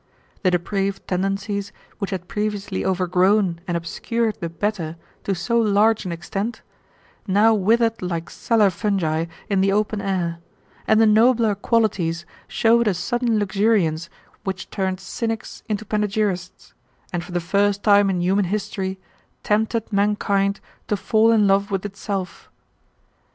The depraved tendencies, which had previously overgrown and obscured the better to so large an extent, now withered like cellar fungi in the open air, and the nobler qualities showed a sudden luxuriance which turned cynics into panegyrists and for the first time in human history tempted mankind to fall in love with itself.